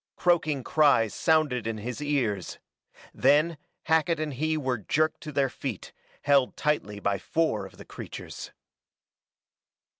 Croaking cries sounded in his ears; then, Hackett and he were jerked to their feet, held tightly by four of the creatures.